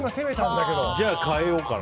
じゃあ変えようかな。